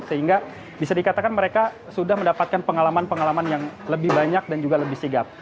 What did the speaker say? sehingga bisa dikatakan mereka sudah mendapatkan pengalaman pengalaman yang lebih banyak dan juga lebih sigap